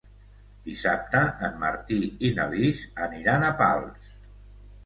Dissabte en Martí i na Lis aniran a Pals.